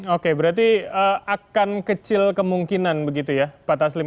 oke berarti akan kecil kemungkinan begitu ya pak taslim